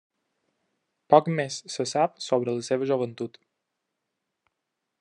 Poc més se sap sobre la seva joventut.